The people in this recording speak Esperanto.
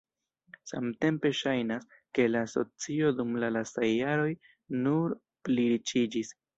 Samtempe ŝajnas, ke la asocio dum la lastaj jaroj nur pliriĉiĝis.